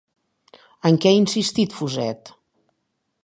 En què ha insistit Fuset?